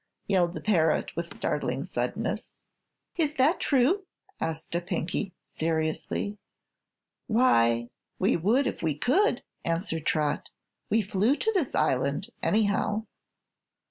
yelled the parrot with startling suddenness. "It that true?" asked a Pinky, seriously. "Why, we would if we could," answered Trot. "We flew to this island, anyhow."